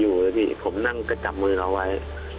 อยู่ละสิผมนั่งกระจำมือเราไว้